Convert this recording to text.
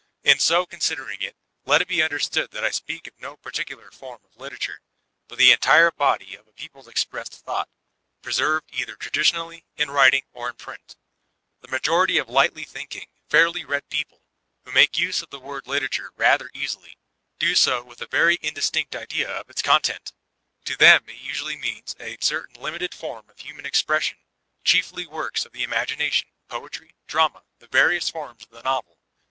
In so considering it» let it be understood that I speak of no particular form of literature, but the entire body of a people's expressed thought, preserved either traditionally, in writing, or in print The majority of lightly thinking, fairly read people, who make use of the word "literature'' rather easily, do so with a very indistinct idea of its content To them it usually means a certain limited form of human cxpres* sion, chiefly works of the imagination — poetry, drama, the various forms of the novel.